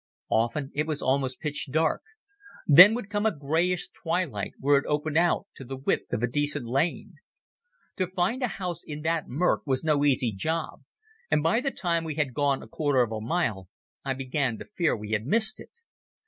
Often it was almost pitch dark; then would come a greyish twilight where it opened out to the width of a decent lane. To find a house in that murk was no easy job, and by the time we had gone a quarter of a mile I began to fear we had missed it.